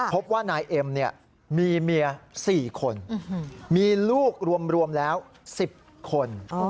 พบว่านายเอ็มมีเมีย๔คนมีลูกรวมแล้ว๑๐คน